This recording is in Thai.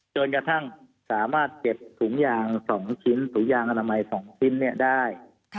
จนกระทั่งสามารถเก็บถุงยาง๒ชิ้นถุงยางอนามัย๒ชิ้นได้